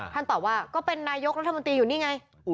ตอบว่าก็เป็นนายกรัฐมนตรีอยู่นี่ไง